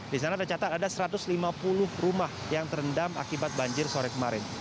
di sana tercatat ada satu ratus lima puluh rumah yang terendam akibat banjir sore kemarin